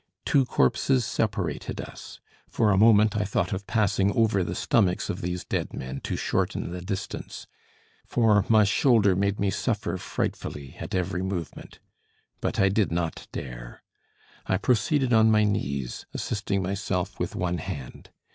Two corpses separated us. For a moment I thought of passing over the stomachs of these dead men to shorten the distance; for, my shoulder made me suffer frightfully at every movement. But I did not dare. I proceeded on my knees, assisting myself with one hand.